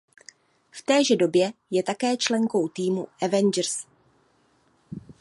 V téže době je také členkou týmu Avengers.